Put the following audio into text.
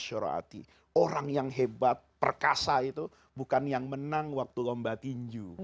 orang yang hebat perkasa itu bukan yang menang waktu lomba tinju